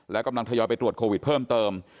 และกำลังทยอยไปตรวจโควิดเพิ่มเติม